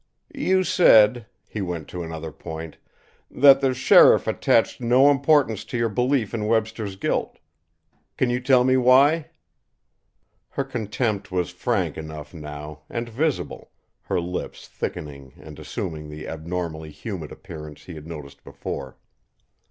"You said," he went to another point, "that the sheriff attached no importance to your belief in Webster's guilt. Can you tell me why?" Her contempt was frank enough now, and visible, her lips thickening and assuming the abnormally humid appearance he had noticed before.